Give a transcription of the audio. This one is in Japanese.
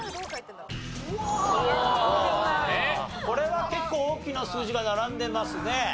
これは結構大きな数字が並んでますね。